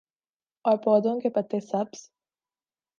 اور پودوں کے پتے سبز